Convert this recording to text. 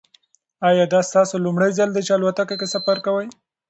ایا دا ستاسو لومړی ځل دی چې په الوتکه کې سفر کوئ؟